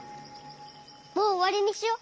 もうおわりにしよう。